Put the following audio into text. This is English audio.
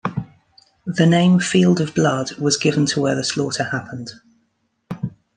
The name "Field of Blood" was given to where the slaughter happened.